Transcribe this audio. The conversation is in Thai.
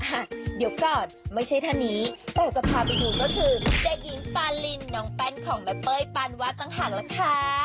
อ่ะเดี๋ยวก่อนไม่ใช่ท่านนี้เราจะพาไปดูก็คือเด็กหญิงปาลินน้องแป้นของแม่เป้ยปานวาดต่างหากล่ะค่ะ